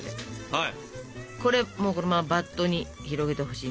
はい。